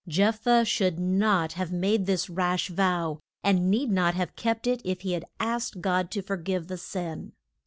Jeph thah should not have made this rash vow, and need not have kept it if he had asked God to for give the sin.